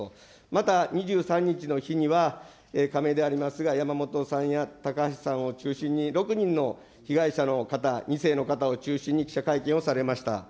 また、２３日の日には仮名でありますがやまもとさんやたかはしさんを中心に、６人の被害者の方２世の方を中心に記者会見をされました。